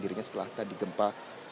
dirinya setelah tadi gempa